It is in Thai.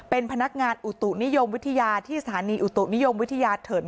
เป็นพนักงานอุตุนิยมวิทยาที่สถานีอุตุนิยมวิทยาเถิน